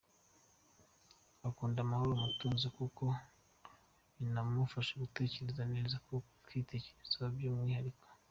Akunda amahoro n’umutuzo kuko binamufasha gutekereza neza no kwitekerezaho by’umwihariko.